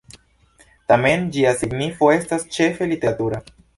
Tamen ĝia signifo estas ĉefe literatura.